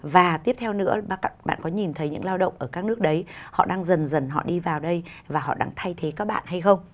và tiếp theo nữa bạn có nhìn thấy những lao động ở các nước đấy họ đang dần dần họ đi vào đây và họ đang thay thế các bạn hay không